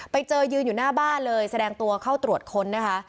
ไปเจอยืนอยู่หน้าบ้านเลยแสดงตัวเข้าตรวจค้นนะคะ